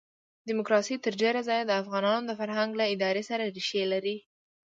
ډیموکراسي تر ډېره ځایه د افغانانو د فرهنګ له ادارې سره ریښې لري.